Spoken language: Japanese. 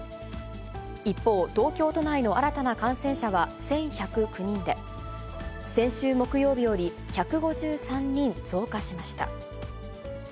一方、東京都内の新たな感染者は１１０９人で、先週木曜日より１５３人増加しました。